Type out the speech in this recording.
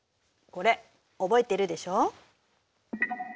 これ覚えているでしょう。